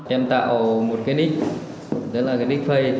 em tạo một cái ních đó là cái ních phây